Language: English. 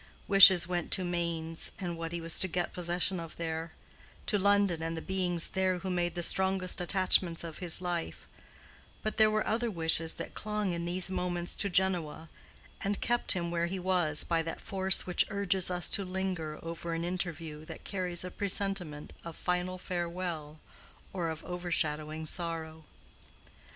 Wishes went to Mainz and what he was to get possession of there—to London and the beings there who made the strongest attachments of his life; but there were other wishes that clung in these moments to Genoa, and they kept him where he was by that force which urges us to linger over an interview that carries a presentiment of final farewell or of overshadowing sorrow.